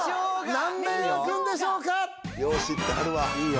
何面あくんでしょうかよ